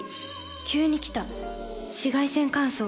急に来た紫外線乾燥。